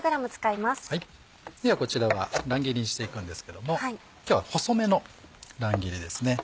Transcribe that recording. ではこちらは乱切りにしていくんですけども今日は細めの乱切りですね。